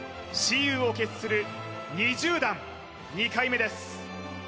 雌雄を決する２０段２回目です